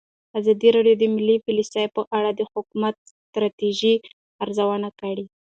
ازادي راډیو د مالي پالیسي په اړه د حکومتي ستراتیژۍ ارزونه کړې.